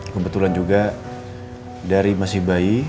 kebetulan juga dari masih bayi